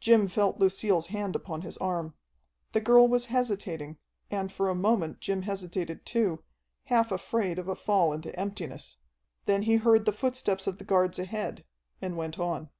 Jim felt Lucille's hand upon his arm. The girl was hesitating, and for a moment Jim hesitated too, half afraid of a fall into emptiness. Then he heard the footsteps of the guards ahead, and went on.